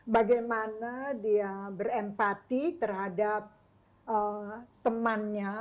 bagaimana dia berempati terhadap temannya